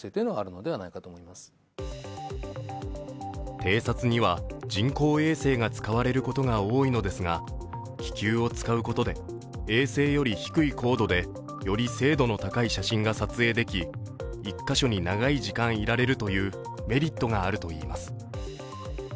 偵察には、人工衛星が使われることが多いのですが、気球を使うことで衛星よりより低い高度でより精度の高い写真が撮影でき、１か所に長い時間いられるというメリットがあるといいます。